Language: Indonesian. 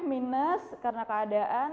minus karena keadaan